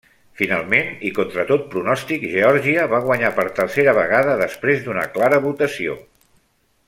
Finalment, i contra tot pronòstic, Geòrgia va guanyar per tercera vegada després d'una clara votació.